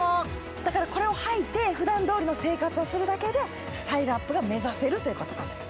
だからこれをはいて、ふだんどおりの生活をするだけでスタイルアップが目指せるということなんです。